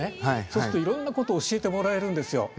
そうするといろんなことを教えてもらえるんですよ。